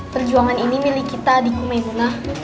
perjuangan ini milih kita di kumenuna